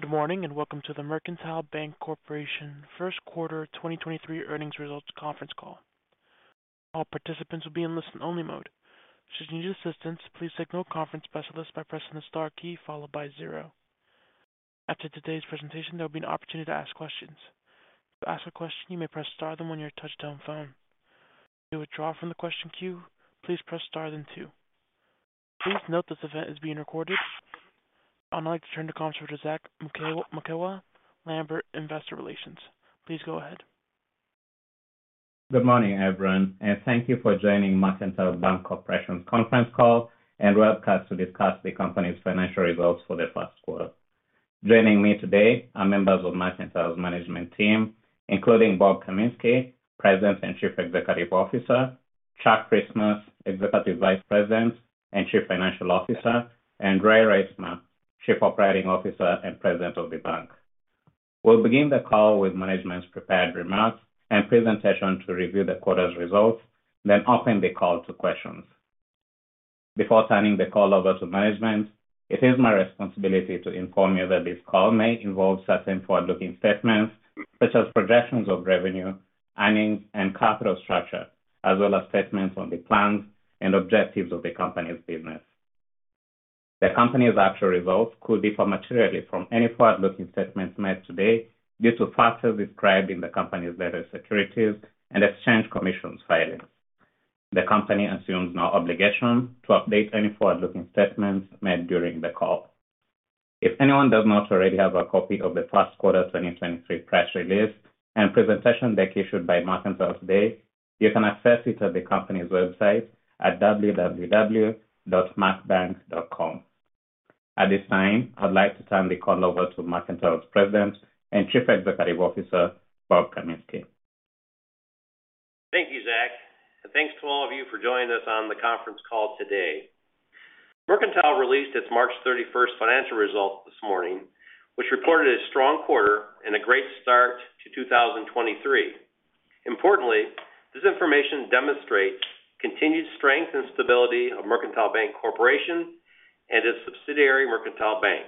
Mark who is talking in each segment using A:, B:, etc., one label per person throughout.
A: Good morning, and welcome to the Mercantile Bank Corporation First Quarter 2023 earnings results conference call. All participants will be in listen only mode. Should you need assistance, please signal a conference specialist by pressing the star key followed by zero. After today's presentation, there'll be an opportunity to ask questions. To ask a question, you may press star then one on your touchtone phone. To withdraw from the question queue, please press star then two. Please note this event is being recorded. I'd like to turn the conference to Zack Mukewa, Lambert Investor Relations. Please go ahead.
B: Good morning, everyone, thank you for joining Mercantile Bank Corporation's conference call and webcast to discuss the company's financial results for the first quarter. Joining me today are members of Mercantile's management team, including Bob Kaminski, President and Chief Executive Officer, Chuck Christmas, Executive Vice President and Chief Financial Officer, Ray Reitsma, Chief Operating Officer and President of the bank. We'll begin the call with management's prepared remarks and presentation to review the quarter's results, open the call to questions. Before turning the call over to management, it is my responsibility to inform you that this call may involve certain forward-looking statements such as projections of revenue, earnings and capital structure, as well as statements on the plans and objectives of the company's business. The company's actual results could differ materially from any forward-looking statements made today due to factors described in the company's letter, Securities and Exchange Commission's filings. The company assumes no obligation to update any forward-looking statements made during the call. If anyone does not already have a copy of the first quarter 2023 press release and presentation deck issued by Mercantile today, you can access it at the company's website at www.mercbank.com. At this time, I'd like to turn the call over to Mercantile's President and Chief Executive Officer, Bob Kaminski.
C: Thank you, Zach, and thanks to all of you for joining us on the conference call today. Mercantile released its March 31st financial results this morning, which reported a strong quarter and a great start to 2023. Importantly, this information demonstrates continued strength and stability of Mercantile Bank Corporation and its subsidiary, Mercantile Bank.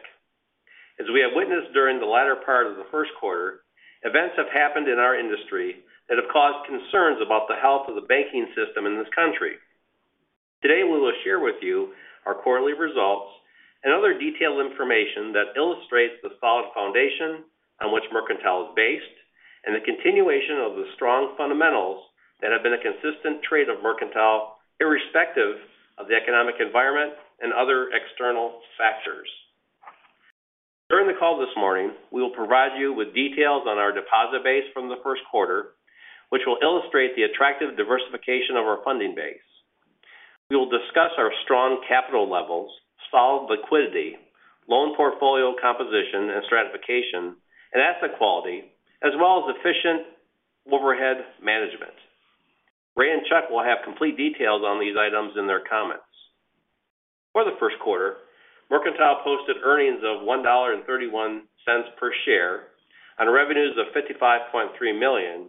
C: As we have witnessed during the latter part of the first quarter, events have happened in our industry that have caused concerns about the health of the banking system in this country. Today, we will share with you our quarterly results and other detailed information that illustrates the solid foundation on which Mercantile is based and the continuation of the strong fundamentals that have been a consistent trait of Mercantile, irrespective of the economic environment and other external factors. During the call this morning, we will provide you with details on our deposit base from the first quarter, which will illustrate the attractive diversification of our funding base. We will discuss our strong capital levels, solid liquidity, loan portfolio composition and stratification and asset quality, as well as efficient overhead management. Ray and Chuck will have complete details on these items in their comments. For the first quarter, Mercantile posted earnings of $1.31 per share on revenues of $55.3 million,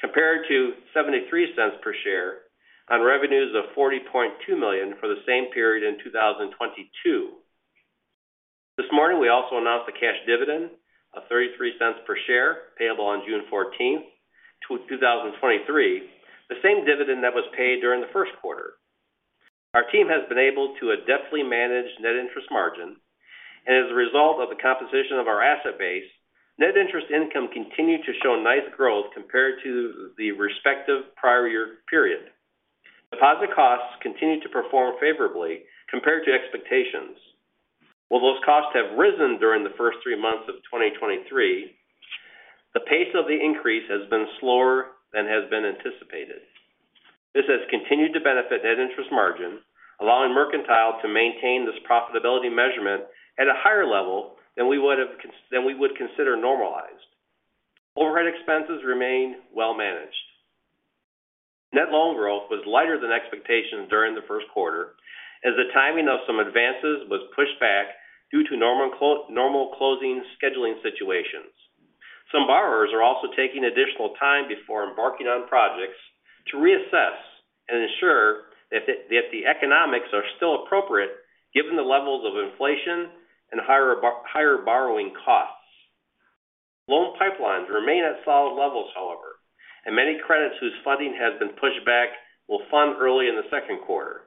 C: compared to $0.73 per share on revenues of $40.2 million for the same period in 2022. This morning, we also announced a cash dividend of $0.33 per share payable on June 14, 2023, the same dividend that was paid during the first quarter. Our team has been able to adeptly manage net interest margin. As a result of the composition of our asset base, net interest income continued to show nice growth compared to the respective prior year period. Deposit costs continued to perform favorably compared to expectations. While those costs have risen during the first three months of 2023, the pace of the increase has been slower than has been anticipated. This has continued to benefit net interest margin, allowing Mercantile to maintain this profitability measurement at a higher level than we would consider normalized. Overhead expenses remain well managed. Net loan growth was lighter than expectations during the first quarter as the timing of some advances was pushed back due to normal closing scheduling situations. Some borrowers are also taking additional time before embarking on projects to reassess and ensure that the economics are still appropriate given the levels of inflation and higher borrowing costs. Loan pipelines remain at solid levels, however, and many credits whose funding has been pushed back will fund early in the second quarter.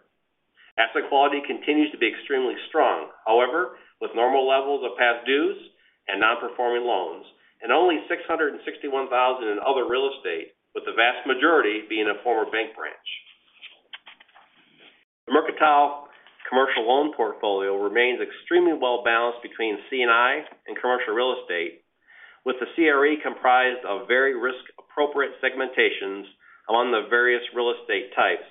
C: Asset quality continues to be extremely strong, however, with normal levels of past dues and non-performing loans, and only $661,000 in other real estate, with the vast majority being a former bank branch. The Mercantile commercial loan portfolio remains extremely well balanced between C&I and commercial real estate, with the CRE comprised of very risk appropriate segmentations among the various real estate types,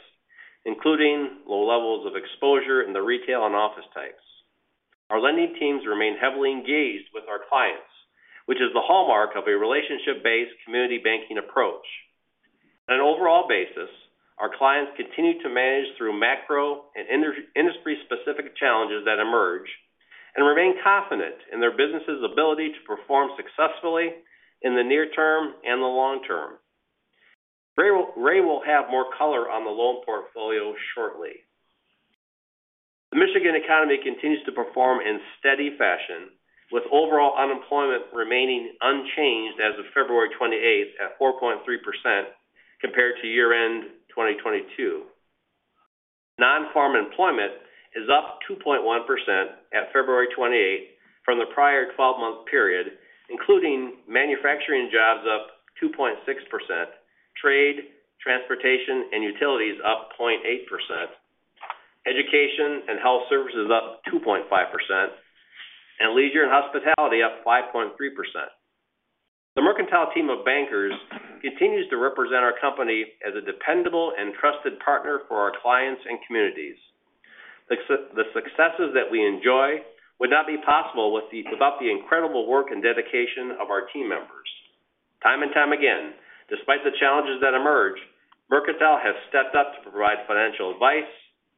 C: including low levels of exposure in the retail and office types. Our lending teams remain heavily engaged with our clients, which is the hallmark of a relationship-based community banking approach. On an overall basis, our clients continue to manage through macro and industry specific challenges that emerge and remain confident in their business's ability to perform successfully in the near term and the long term. Ray will have more color on the loan portfolio shortly. The Michigan economy continues to perform in steady fashion, with overall unemployment remaining unchanged as of February 28th at 4.3% compared to year-end 2022. Non-farm employment is up 2.1% at February 28th from the prior 12-month period, including manufacturing jobs up 2.6%, trade, transportation, and utilities up 0.8%, education and health services up 2.5%, and leisure and hospitality up 5.3%. The Mercantile team of bankers continues to represent our company as a dependable and trusted partner for our clients and communities. The successes that we enjoy would not be possible without the incredible work and dedication of our team members. Time and time again, despite the challenges that emerge, Mercantile has stepped up to provide financial advice,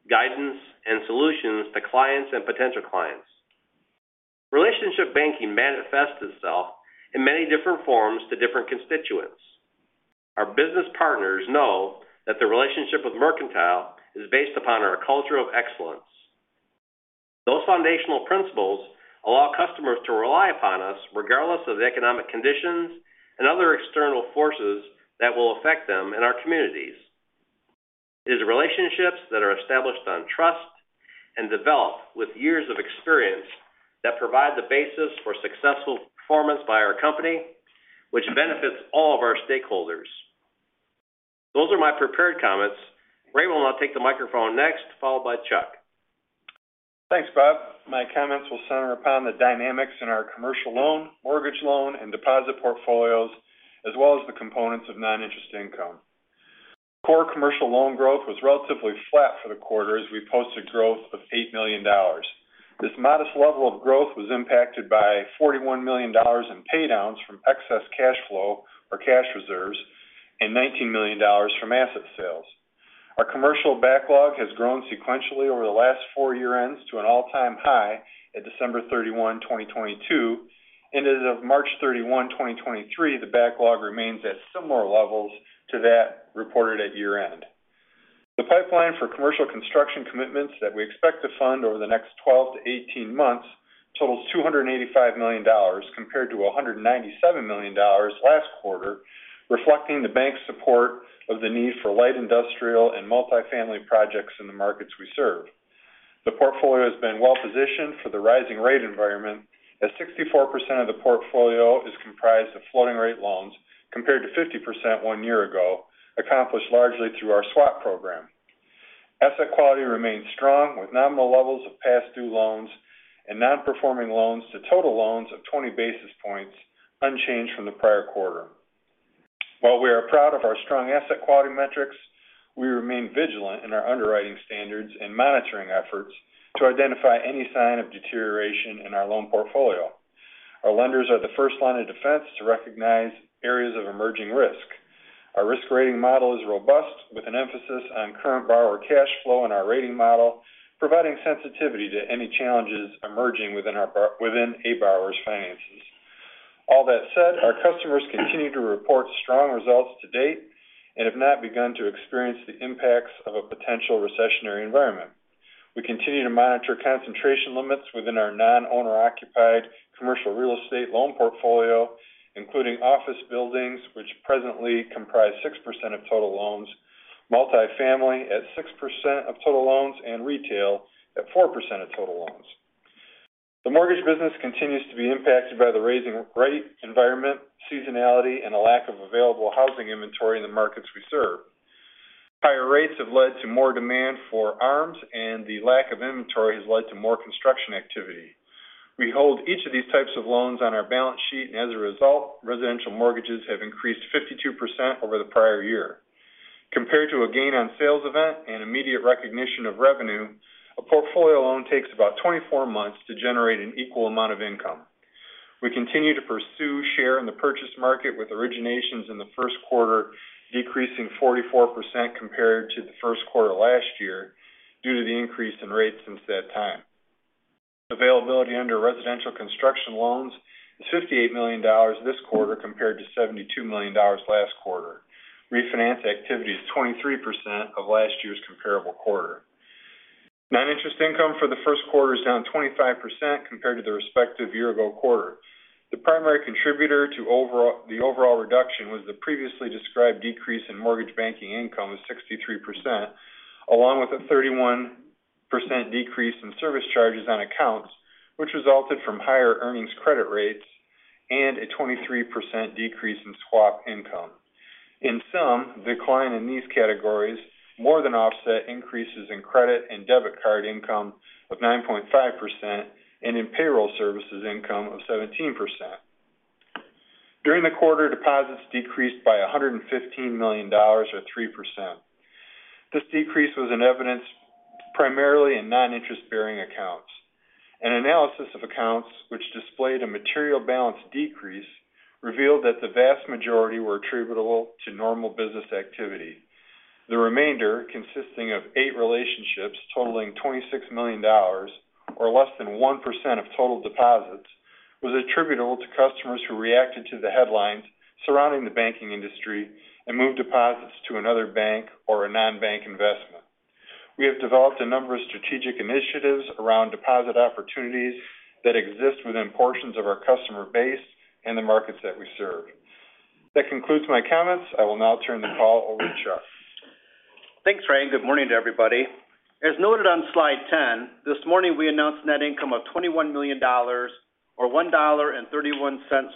C: guidance, and solutions to clients and potential clients. Relationship banking manifests itself in many different forms to different constituents. Our business partners know that the relationship with Mercantile is based upon our culture of excellence. Those foundational principles allow customers to rely upon us regardless of the economic conditions and other external forces that will affect them in our communities. It is relationships that are established on trust and develop with years of experience that provide the basis for successful performance by our company, which benefits all of our stakeholders. Those are my prepared comments. Ray will now take the microphone next, followed by Chuck.
D: Thanks, Bob. My comments will center upon the dynamics in our commercial loan, mortgage loan, and deposit portfolios, as well as the components of non-interest income. Core commercial loan growth was relatively flat for the quarter as we posted growth of $8 million. This modest level of growth was impacted by $41 million in paydowns from excess cash flow or cash reserves and $19 million from asset sales. Our commercial backlog has grown sequentially over the last four year-ends to an all-time high at December 31, 2022, and as of March 31, 2023, the backlog remains at similar levels to that reported at year-end. The pipeline for commercial construction commitments that we expect to fund over the next 12 to 18 months totals $285 million compared to $197 million last quarter, reflecting the Bank's support of the need for light industrial and multifamily projects in the markets we serve. The portfolio has been well-positioned for the rising rate environment, as 64% of the portfolio is comprised of floating-rate loans compared to 50% one year ago, accomplished largely through our swap program. Asset quality remains strong, with nominal levels of past due loans and non-performing loans to total loans of 20 basis points, unchanged from the prior quarter. While we are proud of our strong asset quality metrics, we remain vigilant in our underwriting standards and monitoring efforts to identify any sign of deterioration in our loan portfolio. Our lenders are the first line of defense to recognize areas of emerging risk. Our risk rating model is robust, with an emphasis on current borrower cash flow in our rating model, providing sensitivity to any challenges emerging within a borrower's finances. All that said, our customers continue to report strong results to date and have not begun to experience the impacts of a potential recessionary environment. We continue to monitor concentration limits within our non-owner-occupied commercial real estate loan portfolio, including office buildings, which presently comprise 6% of total loans, multifamily at 6% of total loans, and retail at 4% of total loans. The mortgage business continues to be impacted by the raising rate environment, seasonality, and a lack of available housing inventory in the markets we serve. Higher rates have led to more demand for ARMs, and the lack of inventory has led to more construction activity. We hold each of these types of loans on our balance sheet, and as a result, residential mortgages have increased 52% over the prior year. Compared to a gain on sales event and immediate recognition of revenue, a portfolio loan takes about 24 months to generate an equal amount of income. We continue to pursue share in the purchase market, with originations in the first quarter decreasing 44% compared to the first quarter last year due to the increase in rates since that time. Availability under residential construction loans is $58 million this quarter compared to $72 million last quarter. Refinance activity is 23% of last year's comparable quarter. Non-interest income for the first quarter is down 25% compared to the respective year-ago quarter. The primary contributor to the overall reduction was the previously described decrease in mortgage banking income of 63%, along with a 31% decrease in service charges on accounts which resulted from higher earnings credit rates and a 23% decrease in swap income. In sum, decline in these categories more than offset increases in credit and debit card income of 9.5% and in payroll services income of 17%. During the quarter, deposits decreased by $115 million or 3%. This decrease was in evidence primarily in non-interest-bearing accounts. An analysis of accounts which displayed a material balance decrease revealed that the vast majority were attributable to normal business activity. The remainder, consisting of eight relationships totaling $26 million, or less than 1% of total deposits was attributable to customers who reacted to the headlines surrounding the banking industry and moved deposits to another bank or a non-bank investment. We have developed a number of strategic initiatives around deposit opportunities that exist within portions of our customer base and the markets that we serve. That concludes my comments. I will now turn the call over to Chuck.
E: Thanks, Ray, and good morning to everybody. As noted on slide 10, this morning we announced net income of $21 million or $1.31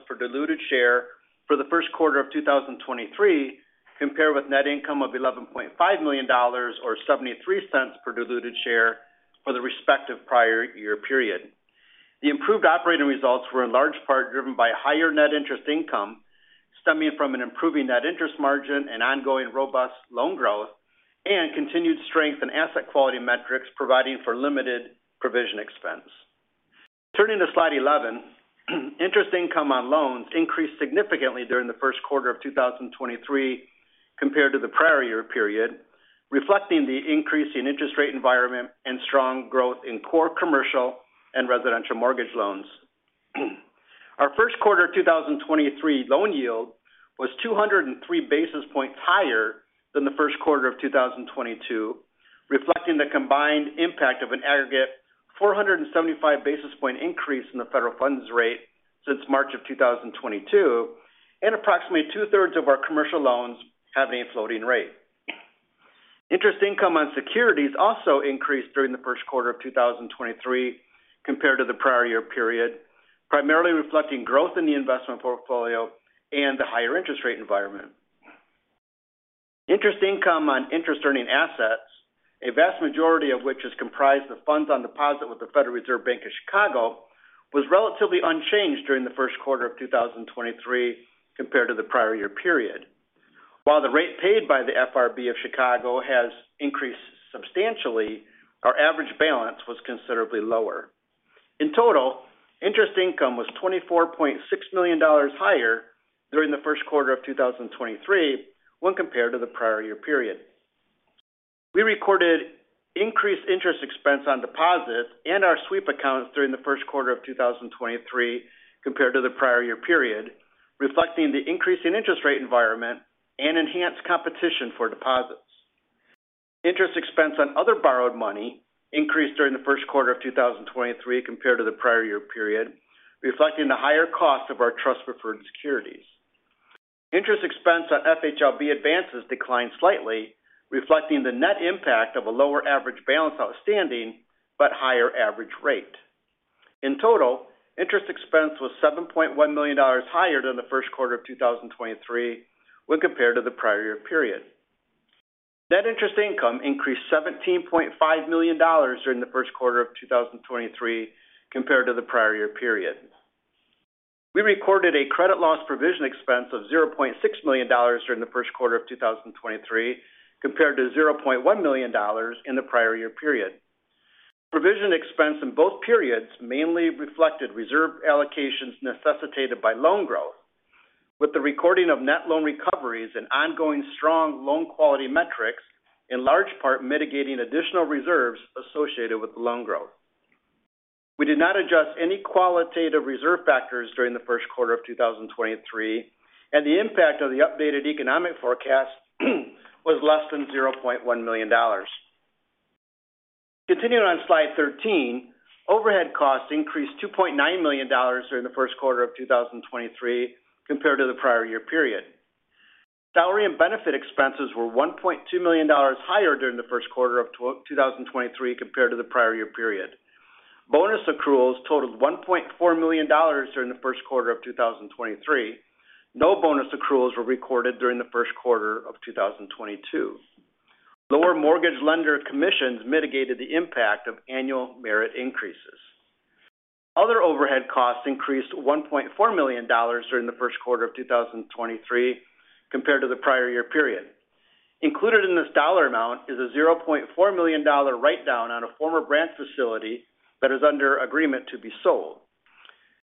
E: per diluted share for the first quarter of 2023, compared with net income of $11.5 million or $0.73 per diluted share for the respective prior year period. The improved operating results were in large part driven by higher net interest income stemming from an improving net interest margin and ongoing robust loan growth and continued strength in asset quality metrics providing for limited provision expense. Turning to slide 11, interest income on loans increased significantly during the first quarter of 2023 compared to the prior year period, reflecting the increase in interest rate environment and strong growth in core commercial and residential mortgage loans. Our first quarter 2023 loan yield was 203 basis points higher than the first quarter of 2022, reflecting the combined impact of an aggregate 475 basis point increase in the federal funds rate since March of 2022 and approximately two-thirds of our commercial loans having a floating rate. Interest income on securities also increased during the first quarter of 2023 compared to the prior year period, primarily reflecting growth in the investment portfolio and the higher interest rate environment. Interest income on interest earning assets, a vast majority of which is comprised of funds on deposit with the Federal Reserve Bank of Chicago, was relatively unchanged during the first quarter of 2023 compared to the prior year period. While the rate paid by the FRB of Chicago has increased substantially, our average balance was considerably lower. In total, interest income was $24.6 million higher during the first quarter of 2023 when compared to the prior year period. We recorded increased interest expense on deposits in our sweep accounts during the first quarter of 2023 compared to the prior year period, reflecting the increase in interest rate environment and enhanced competition for deposits. Interest expense on other borrowed money increased during the first quarter of 2023 compared to the prior year period, reflecting the higher cost of our trust-preferred securities. Interest expense on FHLB advances declined slightly, reflecting the net impact of a lower average balance outstanding but higher average rate. In total, interest expense was $7.1 million higher than the first quarter of 2023 when compared to the prior year period. Net interest income increased $17.5 million during the first quarter of 2023 compared to the prior year period. We recorded a credit loss provision expense of $0.6 million during the first quarter of 2023 compared to $0.1 million in the prior year period. Provision expense in both periods mainly reflected reserve allocations necessitated by loan growth, with the recording of net loan recoveries and ongoing strong loan quality metrics in large part mitigating additional reserves associated with the loan growth. We did not adjust any qualitative reserve factors during the first quarter of 2023, and the impact of the updated economic forecast was less than $0.1 million. Continuing on slide 13, overhead costs increased $2.9 million during the first quarter of 2023 compared to the prior year period. Salary and benefit expenses were $1.2 million higher during the first quarter of 2023 compared to the prior year period. Bonus accruals totaled $1.4 million during the first quarter of 2023. No bonus accruals were recorded during the first quarter of 2022. Lower mortgage lender commissions mitigated the impact of annual merit increases. Other overhead costs increased $1.4 million during the first quarter of 2023 compared to the prior year period. Included in this dollar amount is a $0.4 million write-down on a former branch facility that is under agreement to be sold.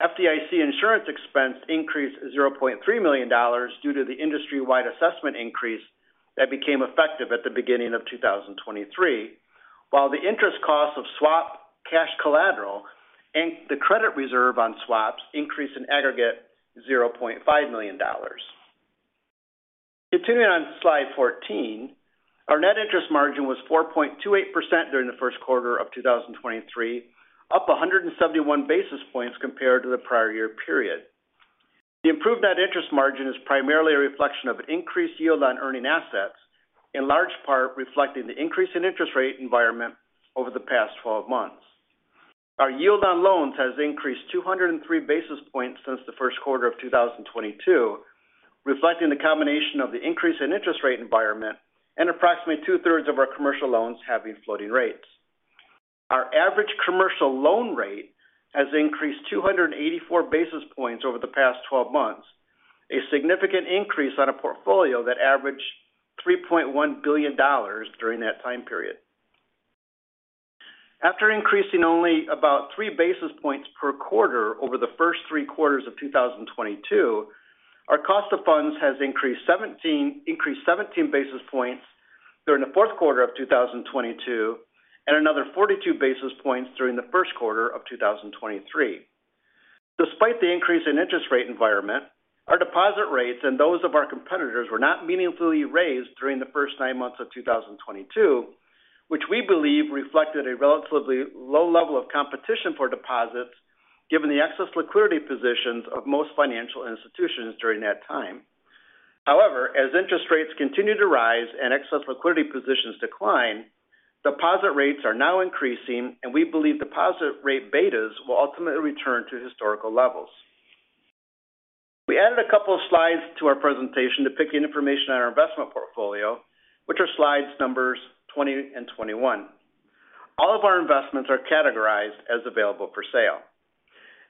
E: FDIC insurance expense increased $0.3 million due to the industry-wide assessment increase that became effective at the beginning of 2023, while the interest cost of swap cash collateral and the credit reserve on swaps increased in aggregate $0.5 million. Continuing on slide 14, our net interest margin was 4.28% during the first quarter of 2023, up 171 basis points compared to the prior year period. The improved net interest margin is primarily a reflection of increased yield on earning assets, in large part reflecting the increase in interest rate environment over the past 12 months. Our yield on loans has increased 203 basis points since the first quarter of 2022, reflecting the combination of the increase in interest rate environment and approximately 2/3 of our commercial loans having floating rates. Our average commercial loan rate has increased 284 basis points over the past 12 months, a significant increase on a portfolio that averaged $3.1 billion during that time period. After increasing only about 3 basis points per quarter over the first three quarters of 2022, our cost of funds has increased 17 basis points during the fourth quarter of 2022, and another 42 basis points during the first quarter of 2023. Despite the increase in interest rate environment, our deposit rates and those of our competitors were not meaningfully raised during the first 9 months of 2022, which we believe reflected a relatively low level of competition for deposits given the excess liquidity positions of most financial institutions during that time. As interest rates continue to rise and excess liquidity positions decline, deposit rates are now increasing, and we believe deposit rate betas will ultimately return to historical levels. We added a couple of slides to our presentation depicting information on our investment portfolio, which are slides numbers 20 and 21. All of our investments are categorized as available for sale.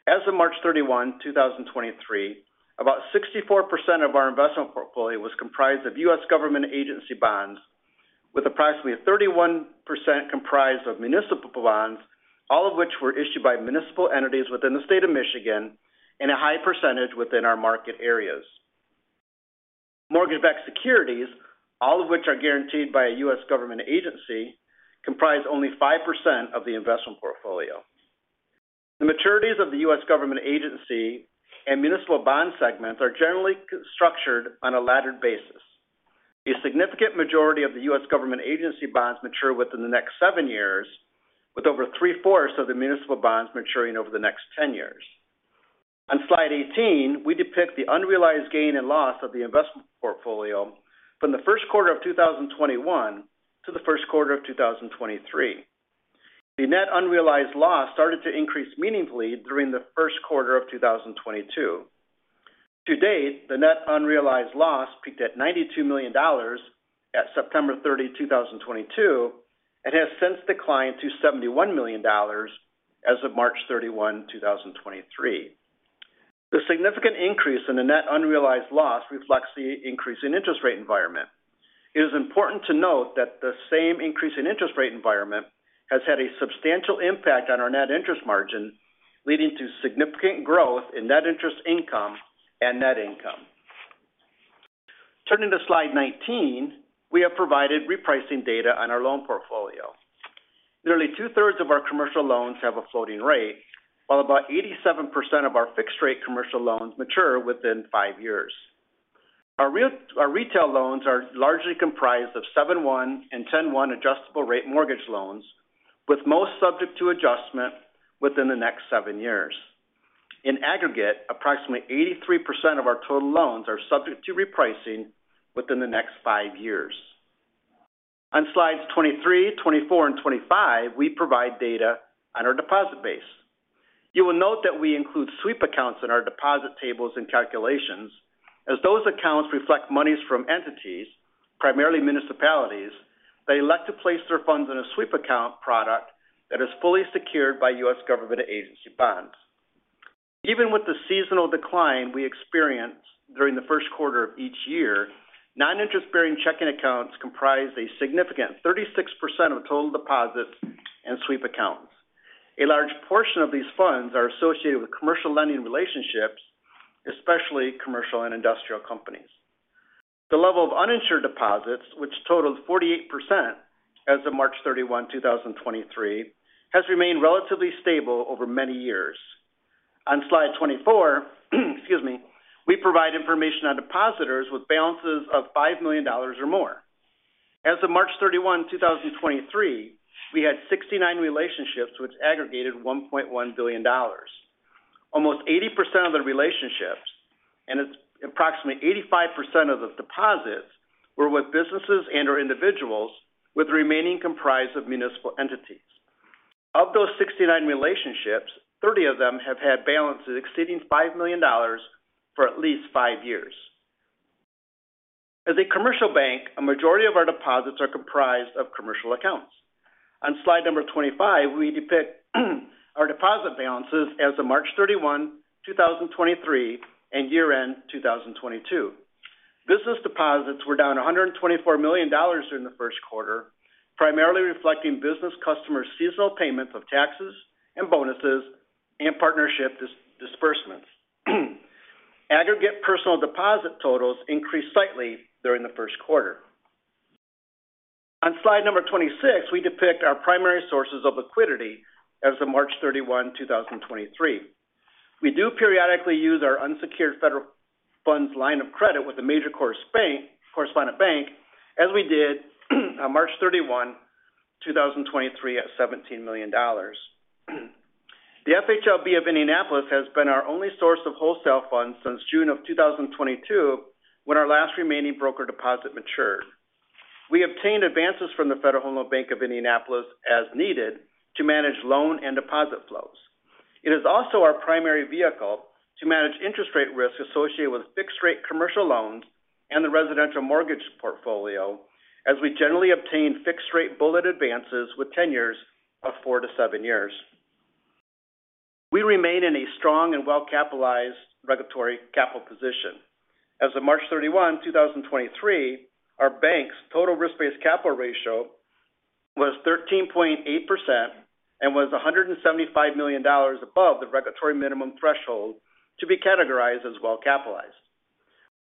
E: As of March 31, 2023, about 64% of our investment portfolio was comprised of US government agency bonds with approximately 31% comprised of municipal bonds, all of which were issued by municipal entities within the state of Michigan and a high percentage within our market areas. Mortgage-backed securities, all of which are guaranteed by a US government agency, comprise only 5% of the investment portfolio. The maturities of the US government agency and municipal bond segments are generally structured on a laddered basis. A significant majority of the US government agency bonds mature within the next seven years, with over three-fourths of the municipal bonds maturing over the next 10 years. On slide 18, we depict the unrealized gain and loss of the investment portfolio from the 1st quarter of 2021 to the 1st quarter of 2023. The net unrealized loss started to increase meaningfully during the 1st quarter of 2022. To date, the net unrealized loss peaked at $92 million at September 30, 2022, and has since declined to $71 million as of March 31, 2023. The significant increase in the net unrealized loss reflects the increase in interest rate environment. It is important to note that the same increase in interest rate environment has had a substantial impact on our net interest margin, leading to significant growth in net interest income and net income. Turning to slide 19, we have provided repricing data on our loan portfolio. Nearly two-thirds of our commercial loans have a floating rate, while about 87% of our fixed rate commercial loans mature within 5 years. Our retail loans are largely comprised of 7/1 and 10/1 adjustable-rate mortgage loans, with most subject to adjustment within the next seven years. In aggregate, approximately 83% of our total loans are subject to repricing within the next five years. On slides 23, 24, and 25, we provide data on our deposit base. You will note that we include sweep accounts in our deposit tables and calculations as those accounts reflect monies from entities, primarily municipalities, that elect to place their funds in a sweep account product that is fully secured by US government agency bonds. Even with the seasonal decline we experience during the first quarter of each year, non-interest bearing checking accounts comprise a significant 36% of total deposits and sweep accounts. A large portion of these funds are associated with commercial lending relationships, especially commercial and industrial companies. The level of uninsured deposits, which totals 48% as of March 31, 2023, has remained relatively stable over many years. On slide 24, excuse me, we provide information on depositors with balances of $5 million or more. As of March 31, 2023, we had 69 relationships which aggregated $1.1 billion. Almost 80% of the relationships and approximately 85% of the deposits were with businesses and/or individuals, with the remaining comprised of municipal entities. Of those 69 relationships, 30 of them have had balances exceeding $5 million for at least 5 years. As a commercial bank, a majority of our deposits are comprised of commercial accounts. On slide number 25, we depict our deposit balances as of March 31, 2023, and year-end 2022. Business deposits were down $124 million during the first quarter, primarily reflecting business customer seasonal payments of taxes and bonuses and partnership disbursements. Aggregate personal deposit totals increased slightly during the first quarter. On slide number 26, we depict our primary sources of liquidity as of March 31, 2023. We do periodically use our unsecured federal funds line of credit with a major correspondent bank, as we did on March 31, 2023 at $17 million. The FHLB of Indianapolis has been our only source of wholesale funds since June of 2022, when our last remaining broker deposit matured. We obtained advances from the Federal Home Loan Bank of Indianapolis as needed to manage loan and deposit flows. It is also our primary vehicle to manage interest rate risks associated with fixed rate commercial loans and the residential mortgage portfolio, as we generally obtain fixed rate bullet advances with tenures of four to seven years. We remain in a strong and well-capitalized regulatory capital position. As of March 31, 2023, our bank's total risk-based capital ratio was 13.8% and was $175 million above the regulatory minimum threshold to be categorized as well-capitalized.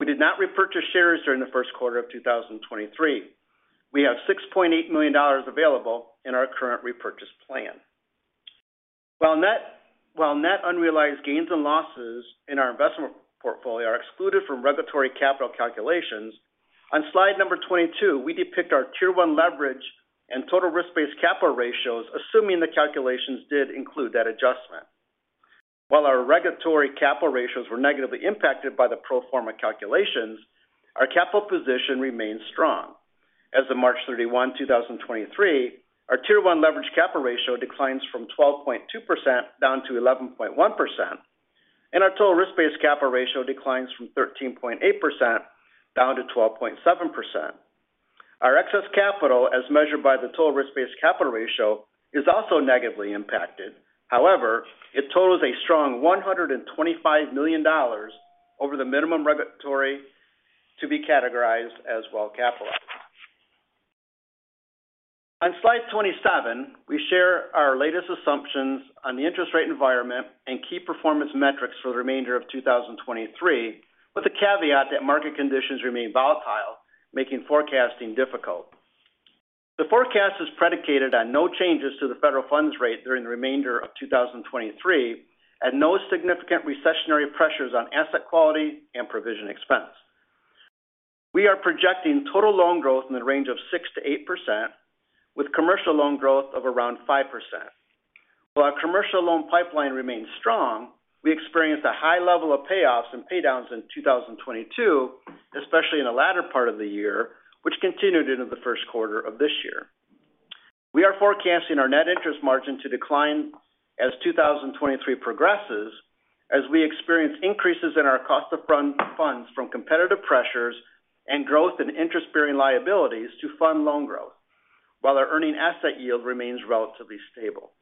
E: We did not repurchase shares during the first quarter of 2023. We have $6.8 million available in our current repurchase plan. While net unrealized gains and losses in our investment portfolio are excluded from regulatory capital calculations, on slide number 22, we depict our Tier 1 leverage and total risk-based capital ratios assuming the calculations did include that adjustment. While our regulatory capital ratios were negatively impacted by the pro forma calculations, our capital position remains strong. As of March 31, 2023, our Tier 1 leverage capital ratio declines from 12.2% down to 11.1%, and our total risk-based capital ratio declines from 13.8% down to 12.7%. Our excess capital, as measured by the total risk-based capital ratio, is also negatively impacted. However, it totals a strong $125 million over the minimum regulatory to be categorized as well-capitalized. On slide 27, we share our latest assumptions on the interest rate environment and key performance metrics for the remainder of 2023, with the caveat that market conditions remain volatile, making forecasting difficult. The forecast is predicated on no changes to the federal funds rate during the remainder of 2023 and no significant recessionary pressures on asset quality and provision expense. We are projecting total loan growth in the range of 6%-8%, with commercial loan growth of around 5%. While our commercial loan pipeline remains strong, we experienced a high level of payoffs and paydowns in 2022, especially in the latter part of the year, which continued into the first quarter of this year. We are forecasting our net interest margin to decline as 2023 progresses as we experience increases in our cost of funds from competitive pressures and growth in interest-bearing liabilities to fund loan growth while our earning asset yield remains relatively stable.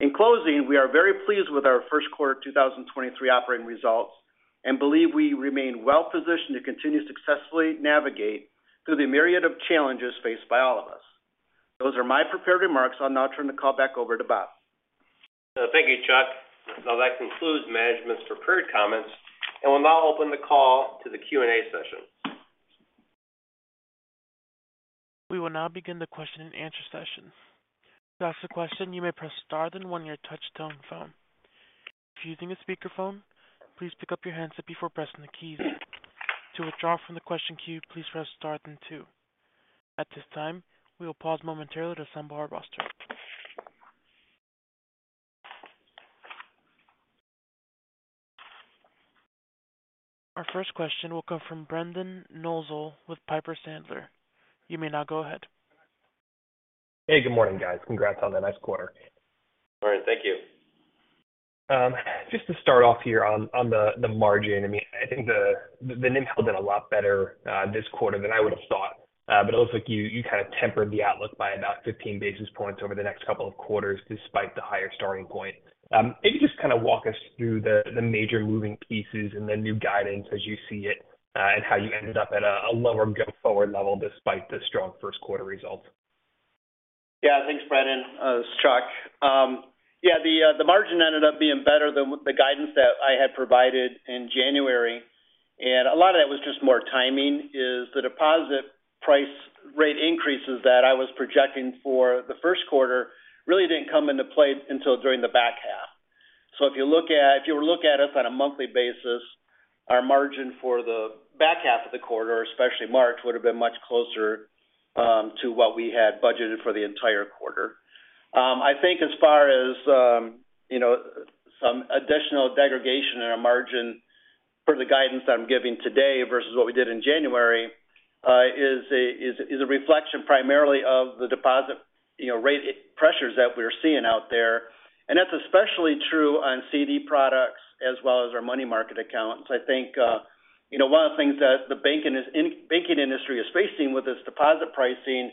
E: In closing, we are very pleased with our first quarter 2023 operating results and believe we remain well positioned to continue to successfully navigate through the myriad of challenges faced by all of us. Those are my prepared remarks. I'll now turn the call back over to Bob.
C: Thank you, Chuck. That concludes management's prepared comments, and we'll now open the call to the Q&A session.
A: We will now begin the question and answer session. To ask a question, you may press star then one on your touchtone phone. If you're using a speakerphone, please pick up your handset before pressing the keys. To withdraw from the question queue, please press star then two. At this time, we will pause momentarily to assemble our roster. Our first question will come from Brendan Nosal with Piper Sandler. You may now go ahead.
F: Hey, good morning, guys. Congrats on the nice quarter.
C: All right, thank you.
F: Just to start off here on the margin. I mean, I think the NIM held in a lot better this quarter than I would have thought. But it looks like you kind of tempered the outlook by about 15 basis points over the next couple of quarters despite the higher starting point. If you just kind of walk us through the major moving pieces and the new guidance as you see it, and how you ended up at a lower go-forward level despite the strong first quarter results.
E: Yeah. Thanks, Brendan. This is Chuck. Yeah, the margin ended up being better than the guidance that I had provided in January. A lot of that was just more timing is the deposit price rate increases that I was projecting for the first quarter really didn't come into play until during the back half. If you were to look at us on a monthly basis, our margin for the back half of the quarter, especially March, would have been much closer to what we had budgeted for the entire quarter. I think as far as, you know, some additional degradation in our margin for the guidance I'm giving today versus what we did in January, is a reflection primarily of the deposit, you know, rate pressures that we're seeing out there. That's especially true on CD products as well as our money market accounts. I think, you know, one of the things that the banking industry is facing with this deposit pricing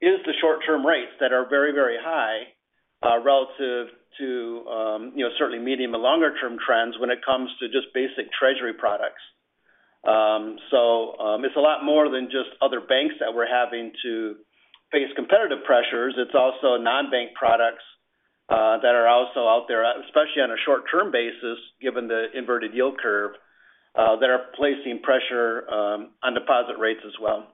E: is the short-term rates that are very, very high, relative to, you know, certainly medium and longer term trends when it comes to just basic Treasury products. It's a lot more than just other banks that we're having to face competitive pressures. It's also non-bank products that are also out there, especially on a short-term basis, given the inverted yield curve, that are placing pressure on deposit rates as well.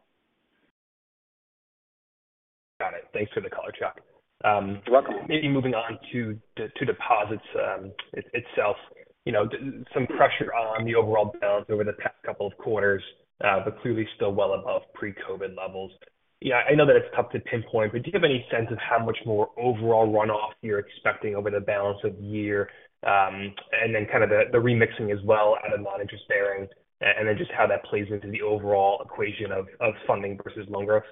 F: Got it. Thanks for the color, Chuck.
E: You're welcome.
F: Maybe moving on to deposits itself. You know, some pressure on the overall balance over the past couple of quarters, but clearly still well above pre-COVID levels. I know that it's tough to pinpoint, but do you have any sense of how much more overall runoff you're expecting over the balance of the year? Then kind of the remixing as well out of non-interest-bearing, and then just how that plays into the overall equation of funding versus loan growth.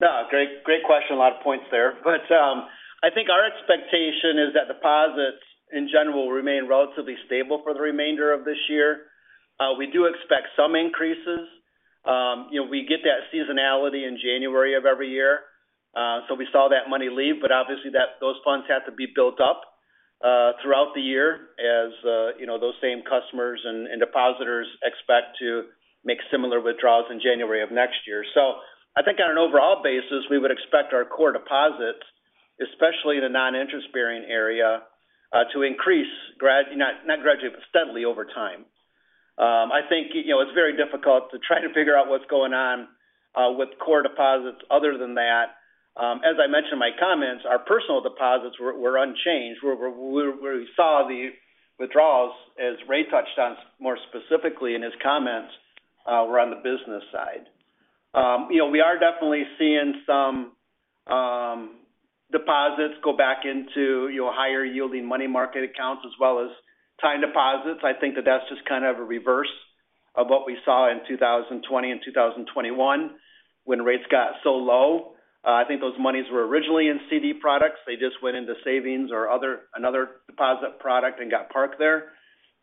E: No, great question. A lot of points there. I think our expectation is that deposits in general remain relatively stable for the remainder of this year. We do expect some increases. You know, we get that seasonality in January of every year. We saw that money leave, but obviously those funds have to be built up throughout the year as, you know, those same customers and depositors expect to make similar withdrawals in January of next year. I think on an overall basis, we would expect our core deposits, especially in the non-interest-bearing area, to increase not gradually, but steadily over time. I think, you know, it's very difficult to try to figure out what's going on with core deposits other than that. As I mentioned in my comments, our personal deposits were unchanged. Where we saw the withdrawals, as Ray touched on more specifically in his comments, were on the business side. You know, we are definitely seeing some deposits go back into, you know, higher yielding money market accounts as well as time deposits. I think that that's just kind of a reverse of what we saw in 2020 and 2021 when rates got so low. I think those monies were originally in CD products. They just went into savings or another deposit product and got parked there.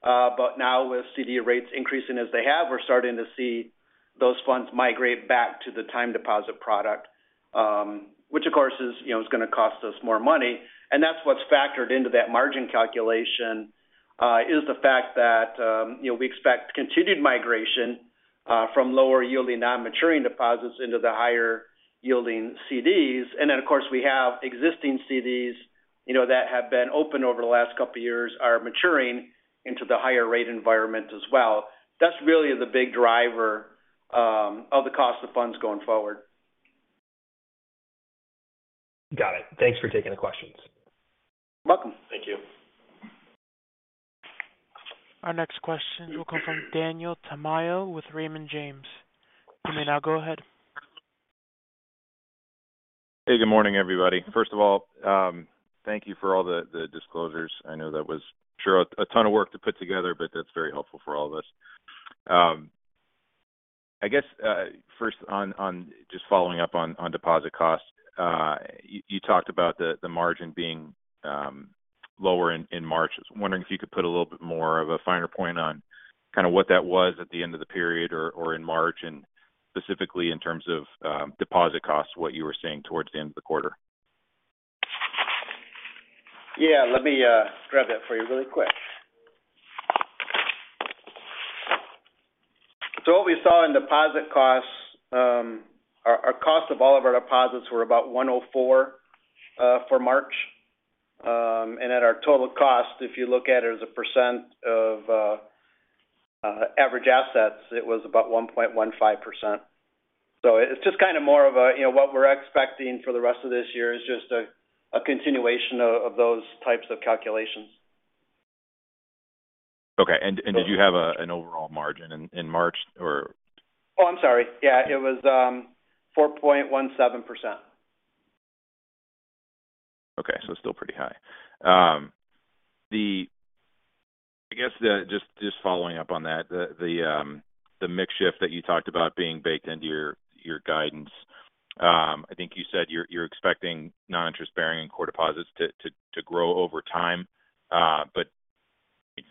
E: Now with CD rates increasing as they have, we're starting to see those funds migrate back to the time deposit product, which of course is, you know, is going to cost us more money. That's what's factored into that margin calculation, is the fact that, you know, we expect continued migration, from lower yielding non-maturing deposits into the higher yielding CDs. Of course, we have existing CDs, you know, that have been open over the last couple of years are maturing into the higher rate environment as well. That's really the big driver, of the cost of funds going forward.
F: Got it. Thanks for taking the questions.
E: You're welcome.
F: Thank you.
A: Our next question will come from Daniel Tamayo with Raymond James. You may now go ahead.
G: Hey, good morning, everybody. First of all, thank you for all the disclosures. I know that was sure a ton of work to put together, but that's very helpful for all of us. I guess first on just following up on deposit costs. You talked about the margin being lower in March. I was wondering if you could put a little bit more of a finer point on kind of what that was at the end of the period or in March, and specifically in terms of deposit costs, what you were seeing towards the end of the quarter?
E: Let me grab that for you really quick. What we saw in deposit costs, our cost of all of our deposits were about 104 for March. At our total cost, if you look at it as a percent of average assets, it was about 1.15%. It's just kind of more of a, you know, what we're expecting for the rest of this year is just a continuation of those types of calculations.
G: Okay. Did you have an overall margin in March?
E: Oh, I'm sorry. Yeah, it was, 4.17%.
G: Okay. Still pretty high. I guess just following up on that, the mix shift that you talked about being baked into your guidance. I think you said you're expecting non-interest-bearing and core deposits to grow over time.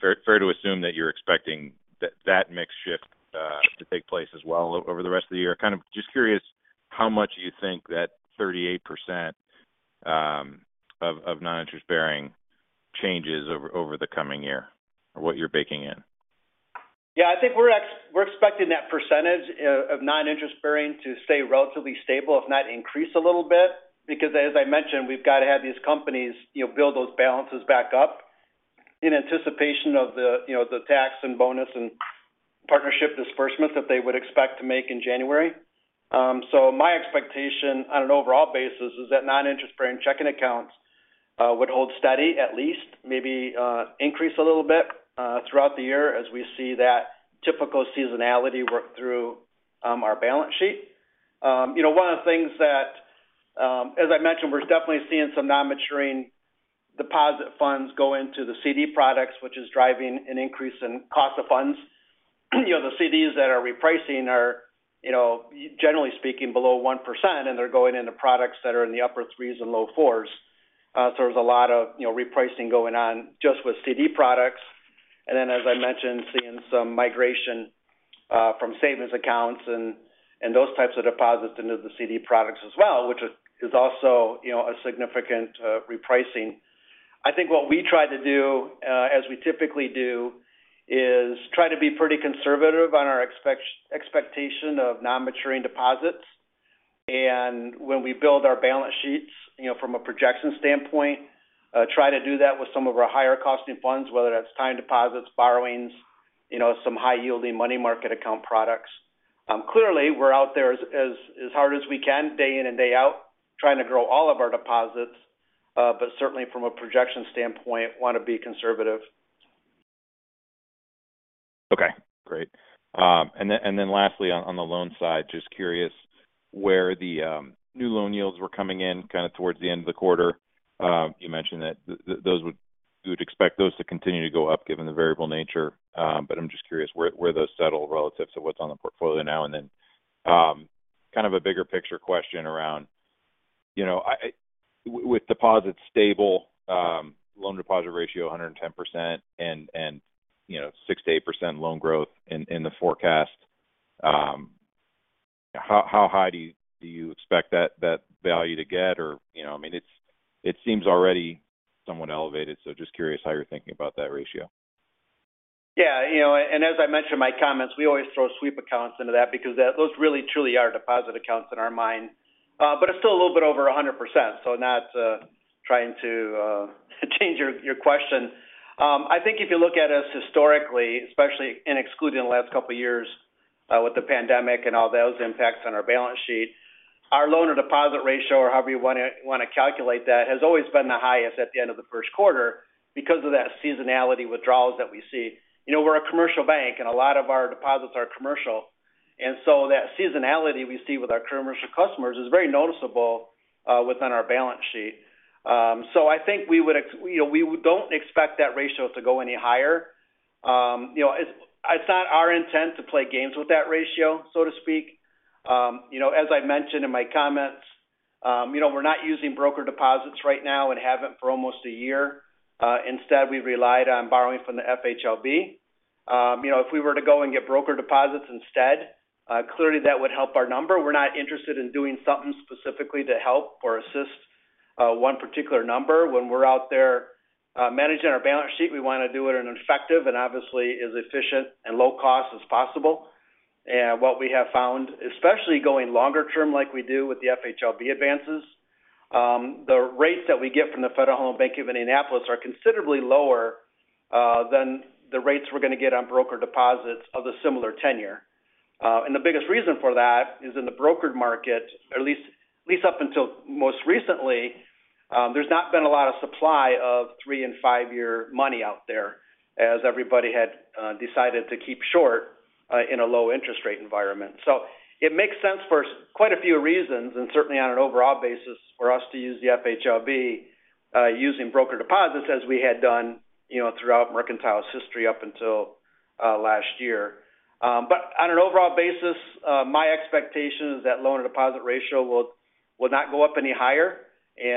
G: Fair to assume that you're expecting that mix shift to take place as well over the rest of the year. Kind of just curious how much you think that 38% of non-interest-bearing changes over the coming year or what you're baking in.
E: I think we're expecting that percentage of non-interest-bearing to stay relatively stable, if not increase a little bit, because as I mentioned, we've got to have these companies, you know, build those balances back up in anticipation of the, you know, the tax and bonus and partnership disbursements that they would expect to make in January. My expectation on an overall basis is that non-interest-bearing checking accounts would hold steady at least, maybe, increase a little bit throughout the year as we see that typical seasonality work through our balance sheet. You know, one of the things that, as I mentioned, we're definitely seeing some non-maturing deposit funds go into the CD products, which is driving an increase in cost of funds. You know, the CDs that are repricing are, you know, generally speaking below 1%, and they're going into products that are in the upper 3s and low 4s. There's a lot of, you know, repricing going on just with CD products. As I mentioned, seeing some migration from savings accounts and those types of deposits into the CD products as well, which is also, you know, a significant repricing. I think what we try to do, as we typically do, is try to be pretty conservative on our expectation of non-maturing deposits. When we build our balance sheets, you know, from a projection standpoint, try to do that with some of our higher costing funds, whether that's time deposits, borrowings, you know, some high yielding money market account products. Clearly, we're out there as hard as we can day in and day out trying to grow all of our deposits. Certainly from a projection standpoint, want to be conservative.
G: Okay, great. Lastly, on the loan side, just curious where the new loan yields were coming in kind of towards the end of the quarter. You mentioned that you would expect those to continue to go up given the variable nature. I'm just curious where those settle relative to what's on the portfolio now. Kind of a bigger picture question around, you know, with deposits stable, loan deposit ratio 110% and, you know, 6%-8% loan growth in the forecast. How high do you expect that value to get or, you know? I mean, it seems already somewhat elevated, so just curious how you're thinking about that ratio.
E: Yeah. You know, as I mentioned in my comments, we always throw sweep accounts into that because those really truly are deposit accounts in our mind. It's still a little bit over 100%, so not trying to change your question. I think if you look at us historically, especially in excluding the last couple of years, with the pandemic and all those impacts on our balance sheet, our loan or deposit ratio or however you wanna calculate that, has always been the highest at the end of the first quarter because of that seasonality withdrawals that we see. You know, we're a commercial bank, and a lot of our deposits are commercial. So that seasonality we see with our commercial customers is very noticeable within our balance sheet. I think we would you know, we don't expect that ratio to go any higher. You know, it's not our intent to play games with that ratio, so to speak. You know, as I mentioned in my comments, you know, we're not using broker deposits right now and haven't for almost a year. Instead, we relied on borrowing from the FHLB. You know, if we were to go and get broker deposits instead, clearly that would help our number. We're not interested in doing something specifically to help or assist, one particular number. When we're out there, managing our balance sheet, we wanna do it in effective and obviously as efficient and low cost as possible. What we have found, especially going longer term like we do with the FHLB advances, the rates that we get from the Federal Home Loan Bank of Indianapolis are considerably lower than the rates we're gonna get on broker deposits of a similar tenure. The biggest reason for that is in the brokered market, at least, at least up until most recently, there's not been a lot of supply of 3 and 5-year money out there as everybody had decided to keep short in a low interest rate environment. It makes sense for quite a few reasons, and certainly on an overall basis for us to use the FHLB, using broker deposits as we had done, you know, throughout Mercantile's history up until last year. On an overall basis, my expectation is that loan deposit ratio will not go up any higher.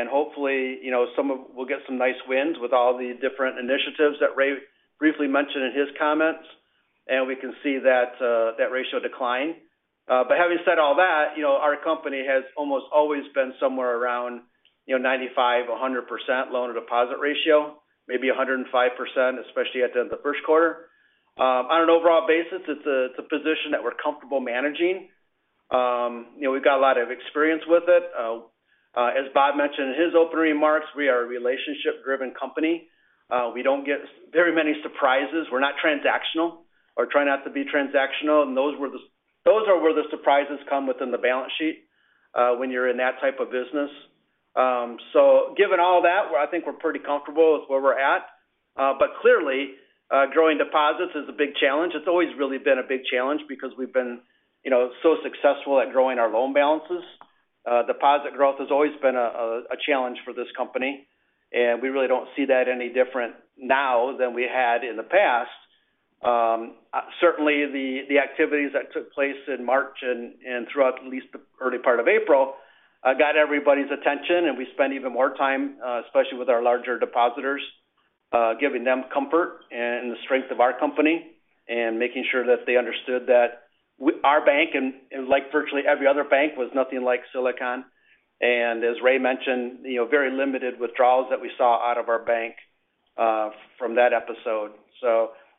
E: Hopefully, you know, we'll get some nice wins with all the different initiatives that Ray briefly mentioned in his comments, and we can see that ratio decline. Having said all that, you know, our company has almost always been somewhere around, you know, 95%, 100% loan or deposit ratio, maybe 105%, especially at the end of the first quarter. On an overall basis, it's a position that we're comfortable managing. You know, we've got a lot of experience with it. As Bob mentioned in his opening remarks, we are a relationship-driven company. We don't get very many surprises. We're not transactional or try not to be transactional. Those were those are where the surprises come within the balance sheet when you're in that type of business. Given all that, well, I think we're pretty comfortable with where we're at. Clearly, growing deposits is a big challenge. It's always really been a big challenge because we've been, you know, so successful at growing our loan balances. Deposit growth has always been a challenge for this company, we really don't see that any different now than we had in the past. Certainly the activities that took place in March and throughout at least the early part of April got everybody's attention, we spend even more time especially with our larger depositors giving them comfort and the strength of our company and making sure that they understood that our bank and like virtually every other bank was nothing like Silicon. As Ray mentioned, you know, very limited withdrawals that we saw out of our bank from that episode.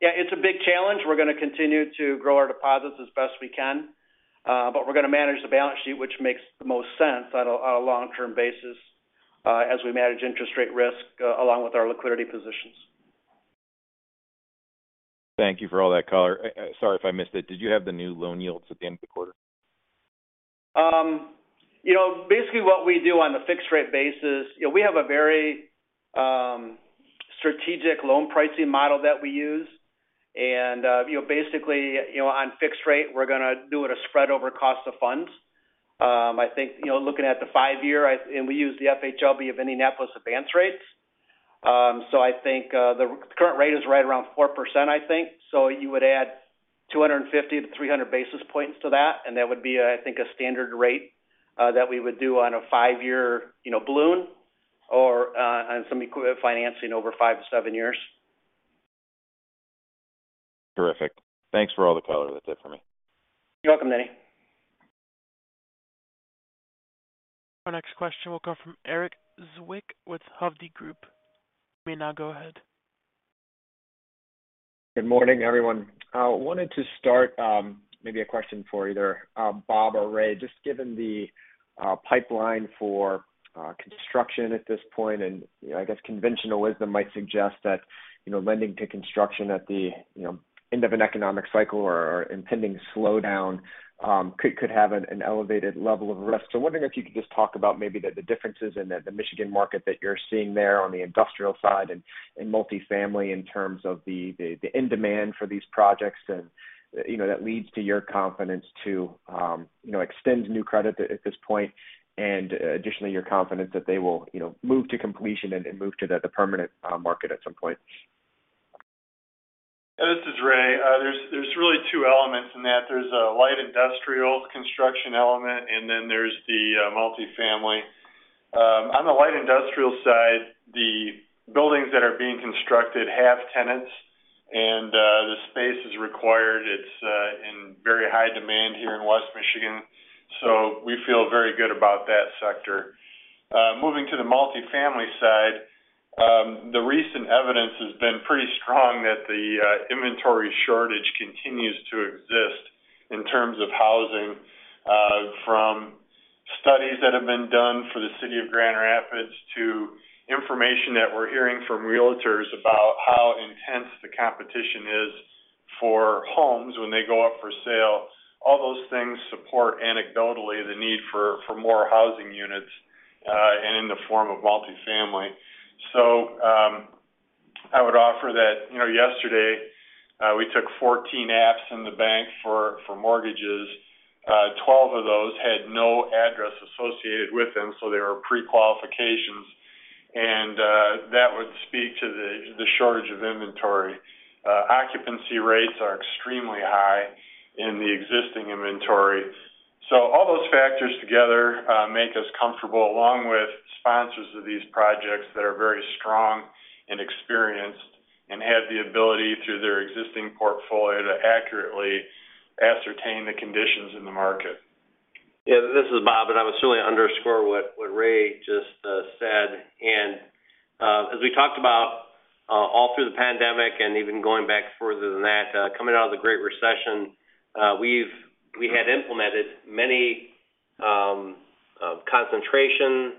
E: Yeah, it's a big challenge. We're gonna continue to grow our deposits as best we can, but we're gonna manage the balance sheet, which makes the most sense at a long-term basis as we manage interest rate risk along with our liquidity positions.
G: Thank you for all that color. Sorry if I missed it. Did you have the new loan yields at the end of the quarter?
E: You know, basically what we do on the fixed rate basis, you know, we have a very strategic loan pricing model that we use. You know, basically, you know, on fixed rate, we're gonna do it a spread over cost of funds. I think, you know, looking at the five-year, and we use the FHLB of Indianapolis advance rates. I think the current rate is right around 4%, I think. You would add 250-300 basis points to that, and that would be, I think, a standard rate that we would do on a five-year, you know, balloon or, on some equivalent financing over 5 to 7 years.
G: Terrific. Thanks for all the color. That's it for me.
E: You're welcome, Denny.
A: Our next question will come from Erik Zwick with Hovde Group. You may now go ahead.
H: Good morning, everyone. I wanted to start, maybe a question for either Bob or Ray. Just given the pipeline for construction at this point, and, you know, I guess conventional wisdom might suggest that, you know, lending to construction at the end of an economic cycle or impending slowdown, could have an elevated level of risk. Wondering if you could just talk about maybe the differences in the Michigan market that you're seeing there on the industrial side and multifamily in terms of the end demand for these projects and, you know, that leads to your confidence to extend new credit at this point. Additionally, your confidence that they will move to completion and move to the permanent market at some point.
D: This is Ray. There's really two elements in that. There's a light industrial construction element, and then there's the multifamily. On the light industrial side Things that are being constructed have tenants, the space is required. It's in very high demand here in West Michigan. We feel very good about that sector. Moving to the multifamily side, the recent evidence has been pretty strong that the inventory shortage continues to exist in terms of housing, from studies that have been done for the city of Grand Rapids to information that we're hearing from realtors about how intense the competition is for homes when they go up for sale. All those things support anecdotally the need for more housing units, and in the form of multifamily. I would offer that, you know, yesterday, we took 14 apps in the bank for mortgages. 12 of those had no address associated with them, so they were pre-qualifications. That would speak to the shortage of inventory. Occupancy rates are extremely high in the existing inventory. All those factors together, make us comfortable along with sponsors of these projects that are very strong and experienced and have the ability through their existing portfolio to accurately ascertain the conditions in the market.
C: Yeah. This is Bob, and I would certainly underscore what Ray just said. As we talked about all through the pandemic and even going back further than that, coming out of the Great Recession, we had implemented many concentration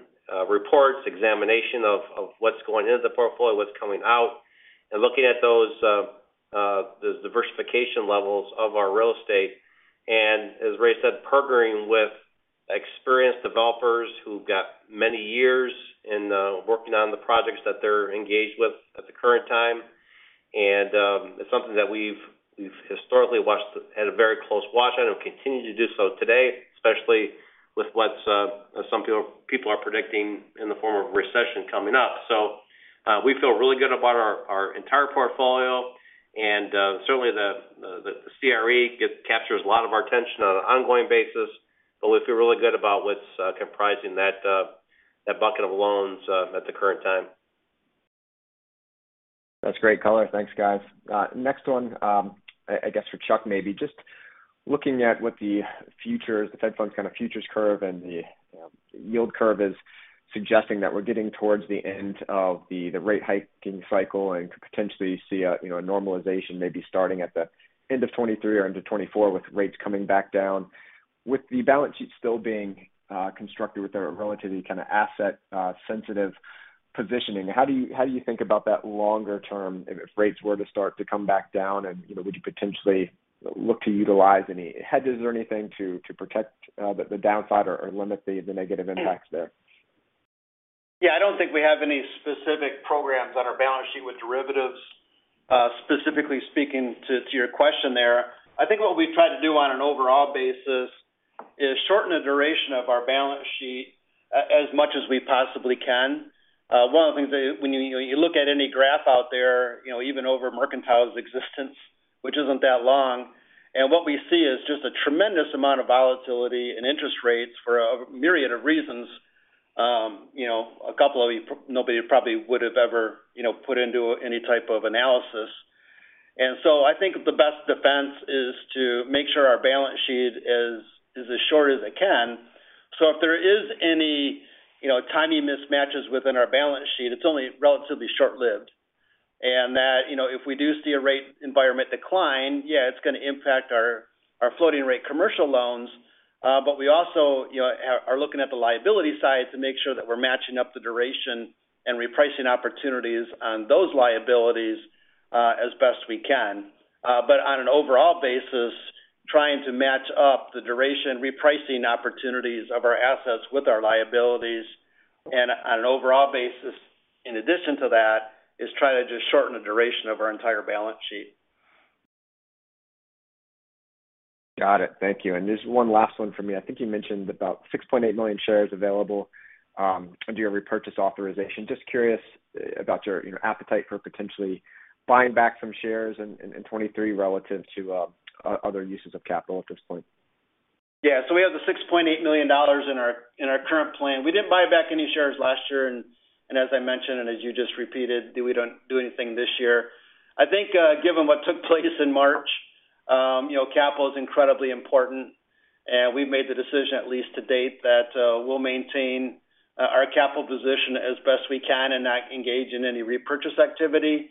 C: reports, examination of what's going into the portfolio, what's coming out, and looking at those diversification levels of our real estate. As Ray said, partnering with experienced developers who've got many years in working on the projects that they're engaged with at the current time. It's something that we've historically watched, had a very close watch on and continue to do so today, especially with what some people are predicting in the form of recession coming up. We feel really good about our entire portfolio and certainly the CRE captures a lot of our attention on an ongoing basis, but we feel really good about what's comprising that bucket of loans at the current time.
H: That's great color. Thanks, guys. Next one, I guess for Chuck maybe. Just looking at what the futures, the Fed funds kind of futures curve and the yield curve is suggesting that we're getting towards the end of the rate hiking cycle and could potentially see a, you know, a normalization maybe starting at the end of 23 or into 24 with rates coming back down. With the balance sheet still being constructed with a relatively kind of asset sensitive positioning, how do you, how do you think about that longer term if rates were to start to come back down and, you know, would you potentially look to utilize any hedges or anything to protect the downside or limit the negative impacts there?
E: Yeah. I don't think we have any specific programs on our balance sheet with derivatives. Specifically speaking to your question there, I think what we try to do on an overall basis is shorten the duration of our balance sheet as much as we possibly can. One of the things that when you look at any graph out there, you know, even over Mercantile's existence, which isn't that long, what we see is just a tremendous amount of volatility in interest rates for a myriad of reasons. You know, a couple of you nobody probably would have ever, you know, put into any type of analysis. I think the best defense is to make sure our balance sheet is as short as it can. If there is any, you know, timing mismatches within our balance sheet, it's only relatively short-lived. That, you know, if we do see a rate environment decline, yeah, it's gonna impact our floating rate commercial loans. We also, you know, are looking at the liability side to make sure that we're matching up the duration and repricing opportunities on those liabilities as best we can. On an overall basis, trying to match up the duration repricing opportunities of our assets with our liabilities. On an overall basis, in addition to that, is try to just shorten the duration of our entire balance sheet.
H: Got it. Thank you. Just one last one for me. I think you mentioned about 6.8 million shares available under your repurchase authorization. Just curious about your appetite for potentially buying back some shares in 2023 relative to other uses of capital at this point.
E: Yeah. We have the $6.8 million in our current plan. We didn't buy back any shares last year, and as I mentioned, and as you just repeated, we don't do anything this year. I think, given what took place in March, you know, capital is incredibly important, and we've made the decision at least to date that we'll maintain our capital position as best we can and not engage in any repurchase activity.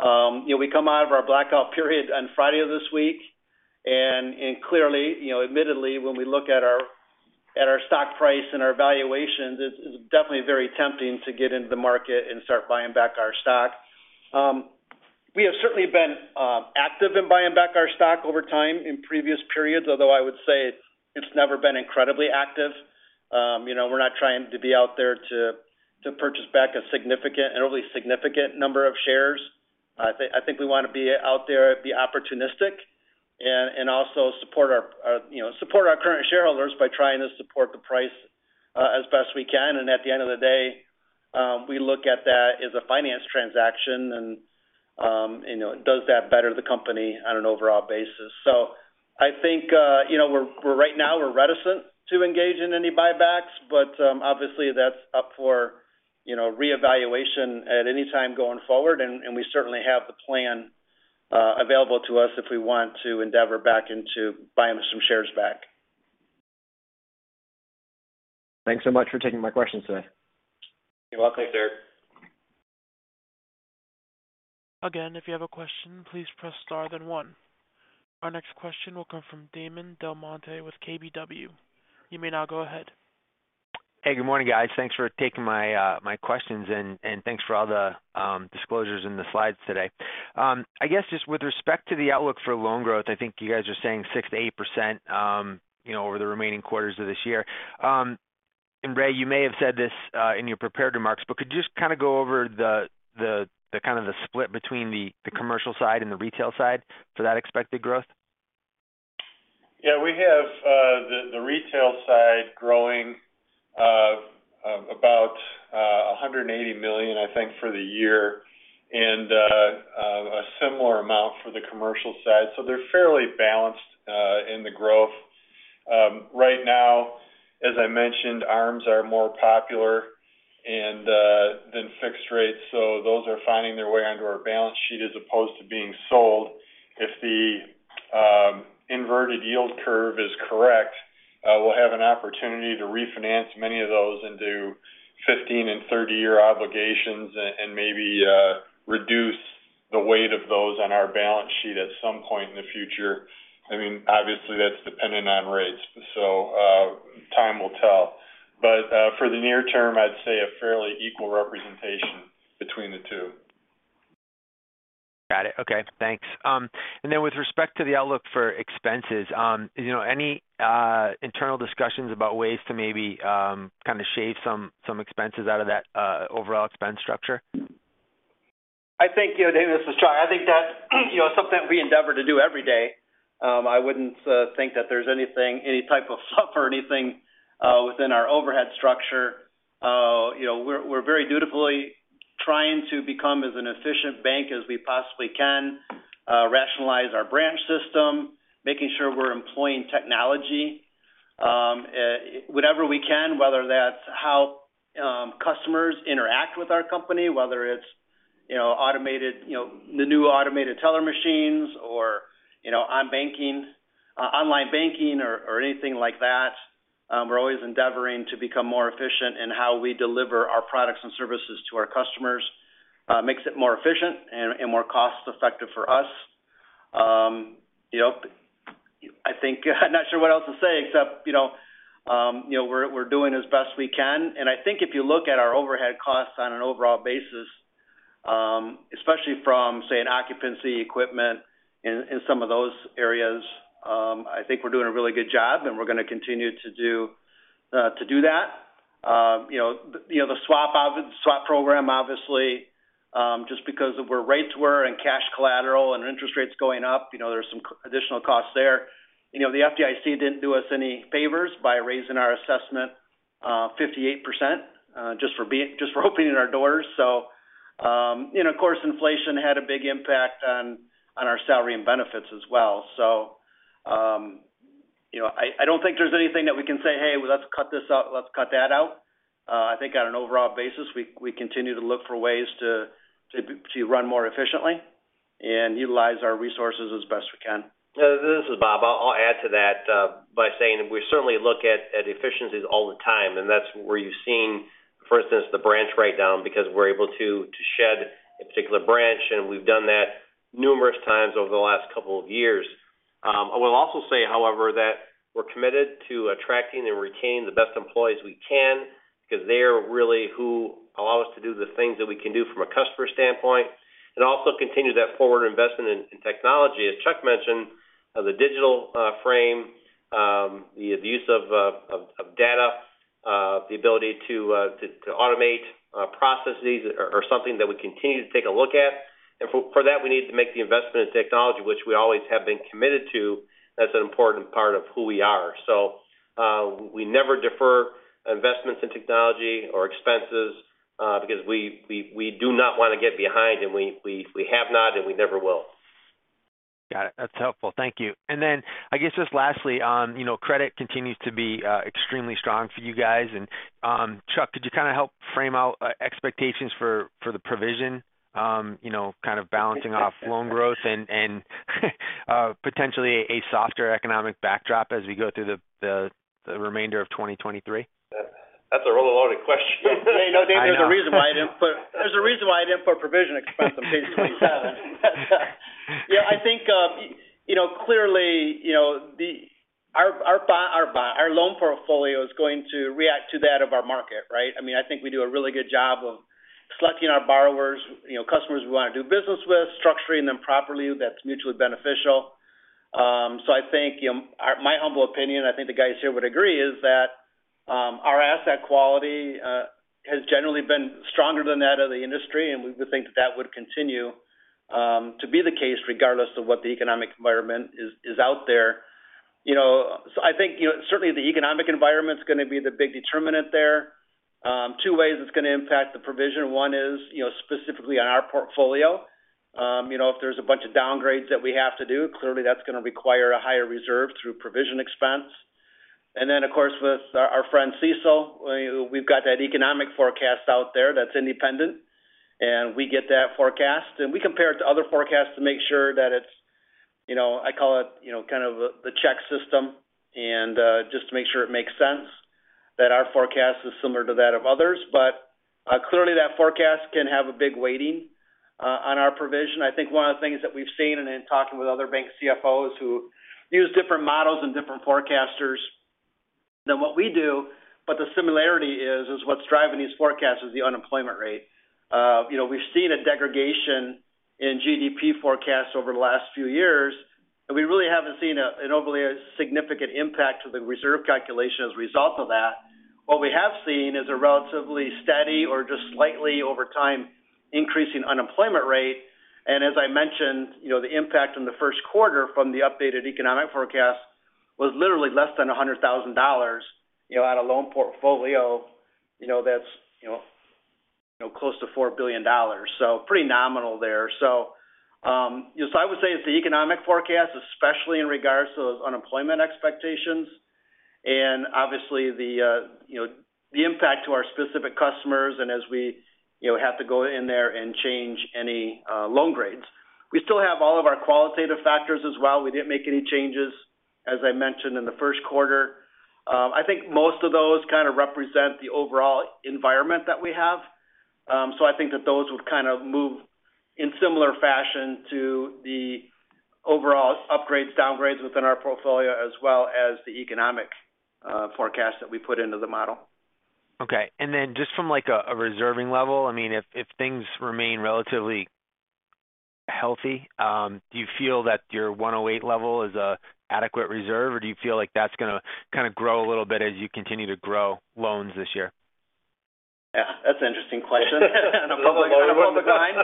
E: You know, we come out of our blackout period on Friday of this week, and clearly, you know, admittedly, when we look at our stock price and our valuations, it's definitely very tempting to get into the market and start buying back our stock. We have certainly been active in buying back our stock over time in previous periods, although I would say it's never been incredibly active. You know, we're not trying to be out there to purchase back a significant and really significant number of shares. I think we want to be out there, be opportunistic and also support our, you know, support our current shareholders by trying to support the price as best we can. At the end of the day, we look at that as a finance transaction. You know, does that better the company on an overall basis? I think, you know, we're right now we're reticent to engage in any buybacks, but obviously that's up for, you know, reevaluation at any time going forward. We certainly have the plan, available to us if we want to endeavor back into buying some shares back.
C: Thanks so much for taking my questions today.
E: You're welcome, sir.
A: Again, if you have a question, please press star then one. Our next question will come from Damon DelMonte with KBW. You may now go ahead.
I: Hey, good morning, guys. Thanks for taking my questions and thanks for all the disclosures in the slides today. I guess just with respect to the outlook for loan growth, I think you guys are saying 6%-8%, you know, over the remaining quarters of this year. Ray, you may have said this in your prepared remarks, but could you just kind of go over the kind of the split between the commercial side and the retail side for that expected growth?
D: We have the retail side growing about $180 million, I think, for the year and a similar amount for the commercial side. They're fairly balanced in the growth. Right now, as I mentioned, ARMs are more popular and than fixed rates, so those are finding their way onto our balance sheet as opposed to being sold. If the inverted yield curve is correct, we'll have an opportunity to refinance many of those into 15- and 30-year obligations and maybe reduce the weight of those on our balance sheet at some point in the future. I mean, obviously that's dependent on rates, time will tell. For the near term, I'd say a fairly equal representation between the two.
I: Got it. Okay. Thanks. With respect to the outlook for expenses, you know, any internal discussions about ways to maybe kind of shave some expenses out of that overall expense structure?
E: I think, you know, Damon DelMonte, this is Chuck Christmas. I think that's, you know, something that we endeavor to do every day. I wouldn't think that there's anything, any type of fluff or anything within our overhead structure. You know, we're very dutifully trying to become as an efficient bank as we possibly can, rationalize our branch system, making sure we're employing technology, whatever we can, whether that's how customers interact with our company, whether it's, you know, automated, you know, the new automated teller machines or, you know, on banking, online banking or anything like that. We're always endeavoring to become more efficient in how we deliver our products and services to our customers. Makes it more efficient and more cost-effective for us. I think I'm not sure what else to say except, we're doing as best we can. I think if you look at our overhead costs on an overall basis, especially from, say, an occupancy equipment in some of those areas, I think we're doing a really good job, and we're gonna continue to do that. The swap program, obviously, just because of where rates were and cash collateral and interest rates going up, there's some additional costs there. The FDIC didn't do us any favors by raising our assessment 58%, just for opening our doors. Of course, inflation had a big impact on our salary and benefits as well. you know, I don't think there's anything that we can say, "Hey, let's cut this out. Let's cut that out." I think on an overall basis, we continue to look for ways to run more efficiently and utilize our resources as best we can.
C: This is Bob. I'll add to that by saying we certainly look at efficiencies all the time, and that's where you've seen, for instance, the branch write down because we're able to shed a particular branch, and we've done that numerous times over the last couple of years. I will also say, however, that we're committed to attracting and retaining the best employees we can because they are really who allow us to do the things that we can do from a customer standpoint and also continue that forward investment in technology. As Chuck mentioned, the digital frame, the use of data, the ability to automate processes are something that we continue to take a look at. For that, we need to make the investment in technology, which we always have been committed to. That's an important part of who we are. We never defer investments in technology or expenses because we do not wanna get behind and we have not, and we never will.
I: Got it. That's helpful. Thank you. I guess just lastly, you know, credit continues to be extremely strong for you guys. Chuck, could you kind of help frame out expectations for the provision, you know, kind of balancing off loan growth and potentially a softer economic backdrop as we go through the remainder of 2023?
D: That's a really loaded question.
E: You know, Damon, there's a reason why I didn't put provision expense on page 27. Yeah, I think, you know, clearly, you know, our loan portfolio is going to react to that of our market, right? I mean, I think we do a really good job of selecting our borrowers, you know, customers we want to do business with, structuring them properly that's mutually beneficial. I think, you know, my humble opinion, I think the guys here would agree, is that our asset quality has generally been stronger than that of the industry, and we would think that that would continue. Regardless of what the economic environment is out there. I think, you know, certainly the economic environment is going to be the big determinant there. Two ways it's going to impact the provision. One is, you know, specifically on our portfolio. you know, if there's a bunch of downgrades that we have to do, clearly that's going to require a higher reserve through provision expense. Of course, with our friend CECL, we've got that economic forecast out there that's independent, and we get that forecast, and we compare it to other forecasts to make sure that it's, you know, I call it, you know, kind of the check system and just to make sure it makes sense that our forecast is similar to that of others. Clearly that forecast can have a big weighting on our provision. I think one of the things that we've seen and in talking with other bank CFOs who use different models and different forecasters than what we do. The similarity is what's driving these forecasts is the unemployment rate. You know, we've seen a degradation in GDP forecasts over the last few years, and we really haven't seen an overly significant impact to the reserve calculation as a result of that. What we have seen is a relatively steady or just slightly over time, increasing unemployment rate. As I mentioned, you know, the impact in the first quarter from the updated economic forecast was literally less than $100,000, you know, on a loan portfolio, you know, that's, you know, close to $4 billion. Pretty nominal there. I would say it's the economic forecast, especially in regards to those unemployment expectations and obviously the, you know, the impact to our specific customers. As we, you know, have to go in there and change any loan grades. We still have all of our qualitative factors as well. We didn't make any changes, as I mentioned in the first quarter. I think most of those kind of represent the overall environment that we have. I think that those would kind of move in similar fashion to the overall upgrades, downgrades within our portfolio as well as the economic forecast that we put into the model.
I: Okay. Just from like a reserving level, I mean, if things remain relatively healthy, do you feel that your 108 level is a adequate reserve or do you feel like that's going to kind of grow a little bit as you continue to grow loans this year?
E: That's an interesting question and a public one of a kind.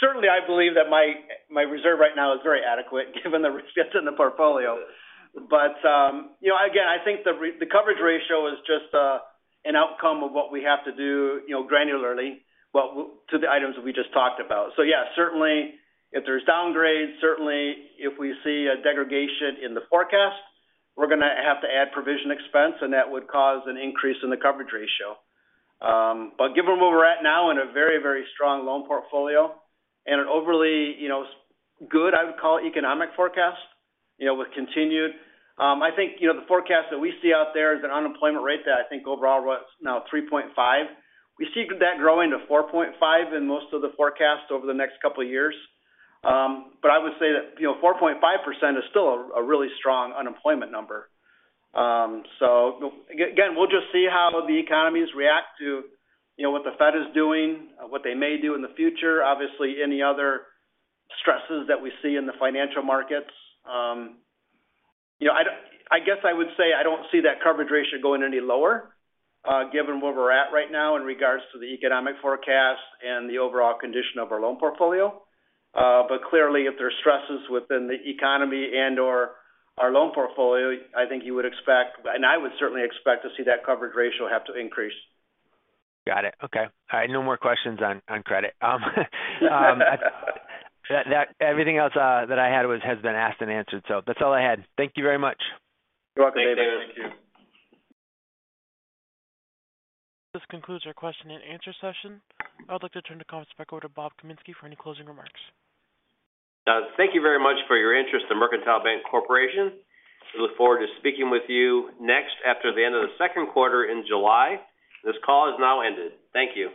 E: Certainly I believe that my reserve right now is very adequate given the risk that's in the portfolio. You know, again, I think the coverage ratio is just an outcome of what we have to do, you know, granularly. To the items that we just talked about. Yeah, certainly if there's downgrades, certainly if we see a degradation in the forecast, we're going to have to add provision expense and that would cause an increase in the coverage ratio. Given where we're at now in a very, very strong loan portfolio and an overly, you know, good, I would call it economic forecast, you know, with continued. I think, you know, the forecast that we see out there is an unemployment rate that I think overall was now 3.5. We see that growing to 4.5 in most of the forecasts over the next couple of years. I would say that, you know, 4.5% is still a really strong unemployment number. Again, we'll just see how the economies react to, you know, what the Fed is doing, what they may do in the future. Obviously, any other stresses that we see in the financial markets. You know, I guess I would say I don't see that coverage ratio going any lower, given where we're at right now in regards to the economic forecast and the overall condition of our loan portfolio. Clearly, if there are stresses within the economy and/or our loan portfolio, I think you would expect, and I would certainly expect to see that coverage ratio have to increase.
I: Got it. Okay. All right, no more questions on credit. everything else that I had was, has been asked and answered. That's all I had. Thank you very much.
E: You're welcome, Damon.
D: Thank you.
A: This concludes our question and answer session. I'd like to turn the conference back over to Bob Kaminski for any closing remarks.
C: Thank you very much for your interest in Mercantile Bank Corporation. We look forward to speaking with you next after the end of the second quarter in July. This call has now ended. Thank you.